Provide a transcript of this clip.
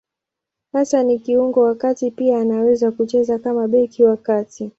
Hasa ni kiungo wa kati; pia anaweza kucheza kama beki wa kati.